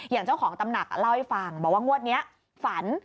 อย่างเจ้าของตำหนักเล่าให้ฟังบอกว่างวดนี้ฝัน